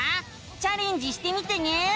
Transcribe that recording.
チャレンジしてみてね！